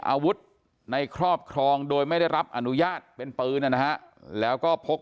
อาวุธในครอบครองโดยไม่ได้รับอนุญาตเป็นปืนนะฮะแล้วก็พก